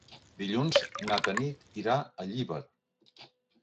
Dilluns na Tanit irà a Llíber.